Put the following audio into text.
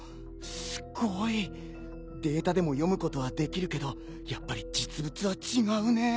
すごいデータでも読むことはできるけどやっぱり実物は違うね。